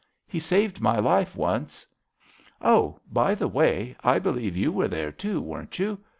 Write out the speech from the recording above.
He saved my life once. Oh, by the way, I believe yon were there, too, weren't you?